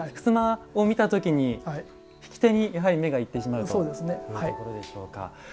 襖を見たときに引き手にやはり目がいってしまうというところでしょうか。